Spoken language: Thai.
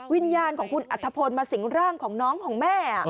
วิญญาณของคุณอัธพลมาสิงร่างของน้องของแม่